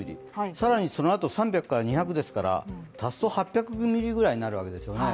更にそのあと３００から２００ですから足すと８００ミリぐらいになるわけですね。